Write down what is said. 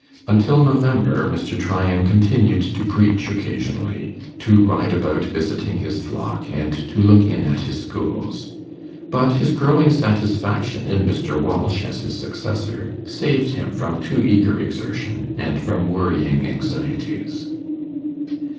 Until November, Mr. Tryan continued to preach occasionally, to ride about visiting his flock, and to look in at his schools: but his growing satisfaction in Mr. Walsh as his successor saved him from too eager exertion and from worrying anxieties.